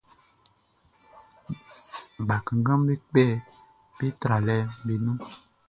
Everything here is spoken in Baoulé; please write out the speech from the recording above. Bakannganʼm be kpɛ be tralɛʼm be nun.